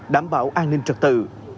đảm bảo an ninh trật tự